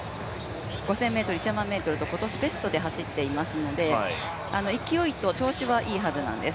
５０００ｍと１００００ｍと今年ベストで走ってますので、勢いと調子はいいはずです。